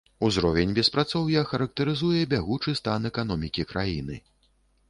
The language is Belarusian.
Узровень беспрацоўя характарызуе бягучы стан эканомікі краіны.